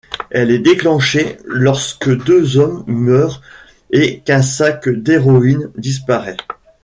Elle est déclenchée lorsque deux hommes meurent et qu'un sac d'héroïnes disparaît...